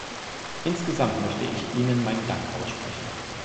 Insgesamt möchte ich Ihnen meinen Dank aussprechen.